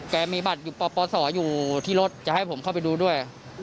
มีบัตรอยู่ปปศอยู่ที่รถจะให้ผมเข้าไปดูด้วย